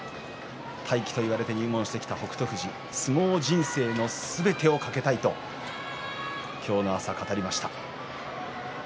大器といわれて入門してきた北勝富士相撲人生のすべてを懸けたいと今日の朝、語りました。